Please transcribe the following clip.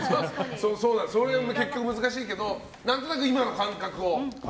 それが結局難しいけど何となく今の感覚を。